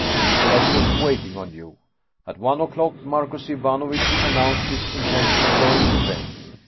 " Nicholas was waiting on you. At one o'clock, Mar cus Ivanovitch announced his intention of going to bed.